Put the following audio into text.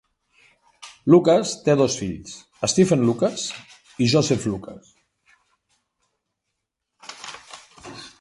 Lucas té dos fills: Stephen Lucas i Joseph Lucas.